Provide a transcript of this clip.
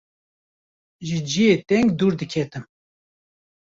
ji cihê teng dûr diketim.